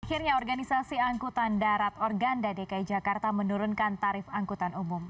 akhirnya organisasi angkutan darat organda dki jakarta menurunkan tarif angkutan umum